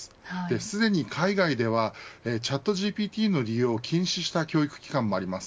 すでに海外ではチャットＧＰＴの利用を禁止した教育機関もあります。